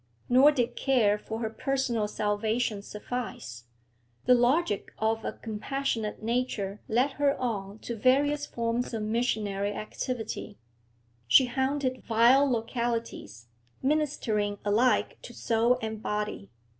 Nor did care for her personal salvation suffice; the logic of a compassionate nature led her on to various forms of missionary activity; she haunted vile localities, ministering alike to soul and body.